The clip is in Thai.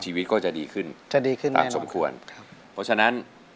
ชีวิตก็จะดีขึ้นจะดีขึ้นตามสมควรครับเพราะฉะนั้น